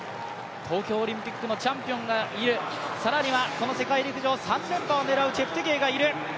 東京オリンピックのチャンピオンがいる、更にはこの世陸陸上、３連覇を狙うチェプテゲイがいる。